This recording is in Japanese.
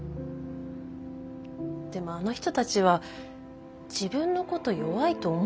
でもあの人たちは自分のこと弱いと思ってないと思うんだよね。